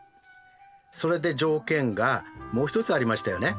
それで条件がもう一つありましたよね。